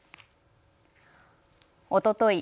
おととい